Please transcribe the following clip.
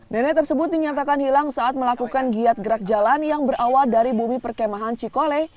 nenek tersebut dinyatakan hilang saat melakukan giat gerak jalan yang berawal dari bumi perkemahan cikole